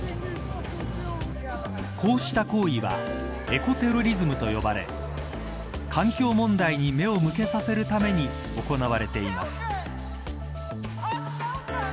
こうした行為はエコテロリズムと呼ばれ環境問題に目を向けさせるために行われています。